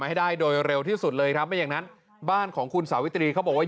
ให้ได้โดยเร็วที่สุดเลยครับไม่อย่างนั้นบ้านของคุณสาวิตรีเขาบอกว่า